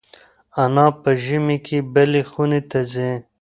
انا په ژمي کې بلې خونې ته ځي.